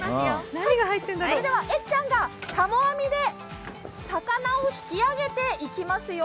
それでは、えっちゃんがたも網で魚を引き揚げていきますよ。